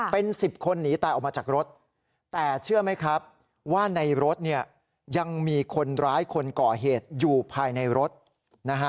เป็น๑๐คนหนีตายออกมาจากรถแต่เชื่อไหมครับว่าในรถเนี่ยยังมีคนร้ายคนก่อเหตุอยู่ภายในรถนะฮะ